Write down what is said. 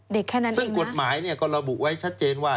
เด็กแค่นั้นเองนะซึ่งกฎหมายก็ระบุไว้ชัดเจนว่า